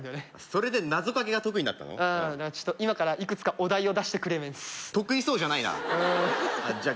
それでなぞかけが得意になったのうんだからちょっと今からいくつかお題を出してクレメンス得意そうじゃないなじゃ